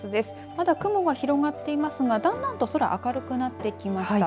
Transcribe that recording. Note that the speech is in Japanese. まだ雲は広がっていますがだんだんと空明るくなってきました。